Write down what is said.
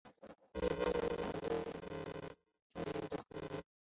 叶枫曾有过两段与圈内人的婚姻。